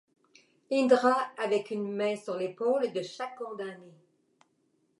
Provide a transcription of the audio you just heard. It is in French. Indra avec une main sur l’épaule de chaque condamné.